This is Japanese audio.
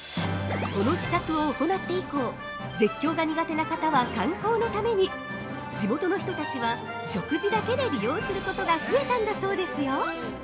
◆この施策を行って以降絶叫が苦手な方は観光のために地元の人たちは食事だけで利用することが増えたんだそうですよ。